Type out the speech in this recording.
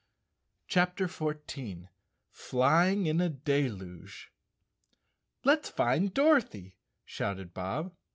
CHAPTER 14 Flying in a Deluge " T ET'S find Dorothy," shouted Bob.